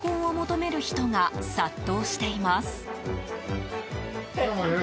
エアコンを求める人が殺到しています。